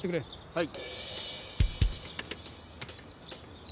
はい。